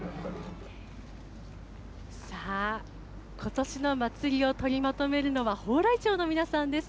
さあ、ことしの祭りを取りまとめるのは、蓬莱町の皆さんです。